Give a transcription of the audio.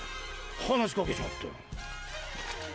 話しかけちまった。